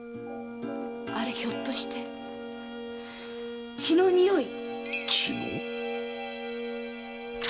あれひょっとして血の臭い⁉血の？